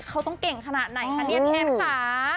เขาต้องเก่งขนาดไหนคะเนี่ยพี่เอสค่ะ